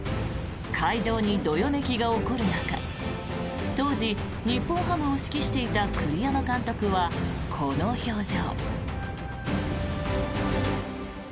会場にどよめきが起こる中当時、日本ハムを指揮していた栗山監督はこの表情。